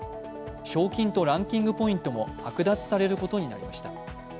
賞金とランキングポイントも剥奪されることになりました。